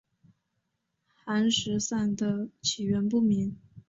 寒食散的起源不明。